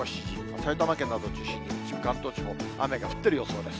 埼玉県などを中心に、一部、関東地方、雨が降っている予想です。